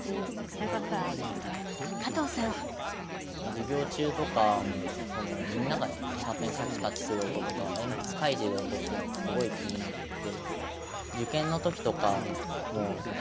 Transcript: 授業中とかもみんながシャーペンカチカチする音とか鉛筆書いてる音っていうのがすごい気になって。